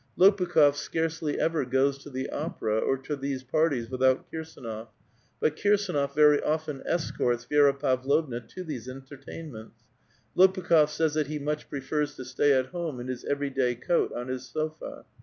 Lopukh6f scarcel}* ever goes to the opera or to these parties without KirsAnof ; but Kirs^nof very often escorts Vi^ra Pavlovna to these entertainments. Ix)pukh6f says that he much prefers to stay at home in his every day coat on his sofa.